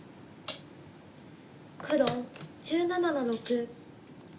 黒１７の六。